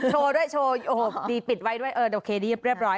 โชว์ด้วยโชว์โอโหตีมี่ปิดไว้ด้วยโอเคนะเรียบร้อย